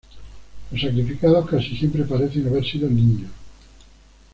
Los sacrificados casi siempre parecen haber sido niños.